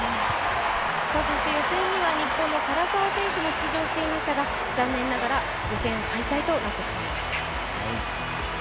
そして予選には日本の柄澤選手が出場していましたが、残念ながら予選敗退となってしまいました。